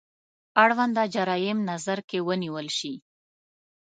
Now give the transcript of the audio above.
اړونده جرايم نظر کې ونیول شي.